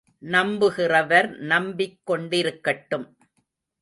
நம்புகிறவர் நம்பிக் கொண்டிருக்கட்டும்.